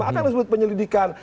apa yang disebut penyelidikan